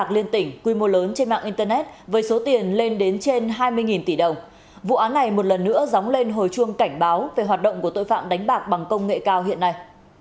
đánh bạc liên tỉnh quy mô lớn trên mạng internet với số tiền lên đến trên hai mươi tỷ đồng vụ án này một lần nữa dóng lên hồi chuông cảnh báo về hoạt động của tội phạm đánh bạc bằng công nghệ cao hiện nay